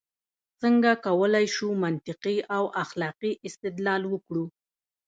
څنګه کولای شو منطقي او اخلاقي استدلال وکړو؟